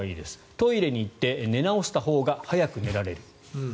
トイレに行って寝直したほうが早く寝られる。